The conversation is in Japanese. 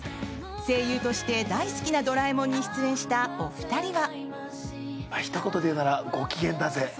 声優として大好きな「ドラえもん」に出演したお二人は。